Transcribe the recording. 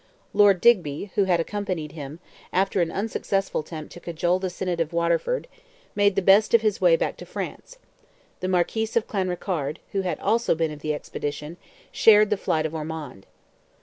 Lord Digby, who had accompanied him, after an unsuccessful attempt to cajole the Synod of Waterford, made the best of his way back to France; the Marquis of Clanrickarde, who had also been of the expedition, shared the flight of Ormond.